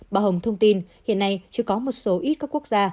bà hồng thông tin hiện nay chưa có một số ít các quốc gia